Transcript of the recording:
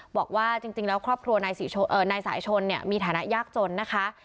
บอกว่าจริงแล้วครอบครัวนายสายชนเนี่ยมีฐานะยากจนนะคะ